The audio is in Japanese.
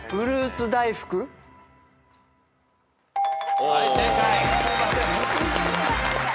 はい正解。